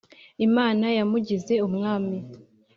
Imana yamugize Umwami